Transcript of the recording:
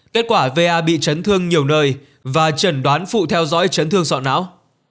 kết quả va bị trấn thương nhiều nơi và trần đoán phụ theo dõi trấn thương sọ não